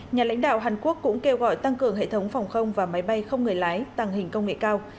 nhà lãnh đạo hàn quốc cũng kêu gọi tăng cường hệ thống phòng không và máy bay không người lái tàng hình công nghệ cao